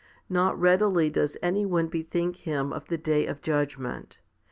Not readily does any one bethink him of the day of judgment.